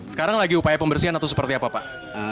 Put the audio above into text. sekarang lagi upaya pembersihan atau seperti apa pak